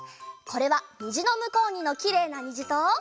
これは「にじのむこうに」のきれいなにじと。